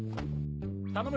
頼む。